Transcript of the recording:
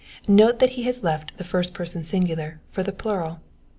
Note that be has left the first person singular for the plural.